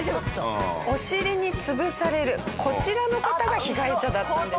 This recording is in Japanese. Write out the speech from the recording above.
お尻に潰されるこちらの方が被害者だったんですね。